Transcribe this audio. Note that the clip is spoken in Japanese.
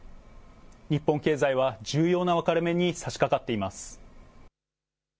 日本経済は重要な分かれ目にさしかかっています。